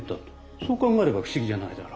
そう考えれば不思議じゃないだろう。